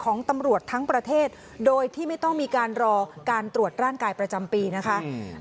ของตำรวจทั้งประเทศโดยที่ไม่ต้องมีการรอการตรวจร่างกายประจำปีนะคะ